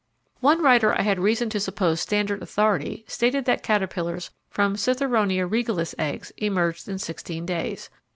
One writer I had reason to suppose standard authority stated that caterpillars from Citheronia Regalis eggs emerged in sixteen days.